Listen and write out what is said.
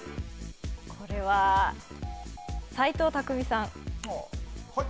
これは斎藤工さん・はい！